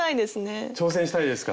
挑戦したいですか？